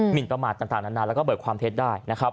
หมิ่นประมาทต่างนานาแล้วก็เบิกความเท็จได้